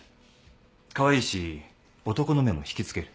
カワイイし男の目も引き付ける。